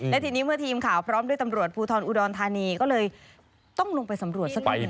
และทีนี้เมื่อทีมข่าวพร้อมด้วยตำรวจภูทรอุดรธานีก็เลยต้องลงไปสำรวจสักที